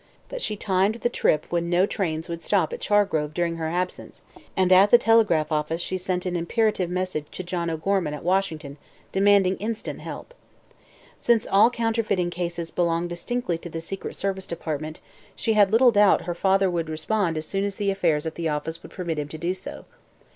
But she timed the trip when no trains would stop at Chargrove during her absence and at the telegraph office she sent an imperative message to John O'Gorman at Washington demanding instant help. Since all counterfeiting cases belonged distinctly to the Secret Service Department she had little doubt her father would respond as soon as the affairs at the office would permit him to do so.